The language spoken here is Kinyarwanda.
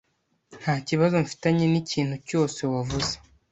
Nta kibazo mfitanye nikintu cyose wavuze.